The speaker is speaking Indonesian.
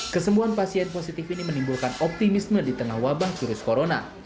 kesembuhan pasien positif ini menimbulkan optimisme di tengah wabah virus corona